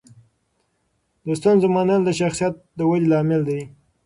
د ستونزو منل د شخصیت ودې لامل دی.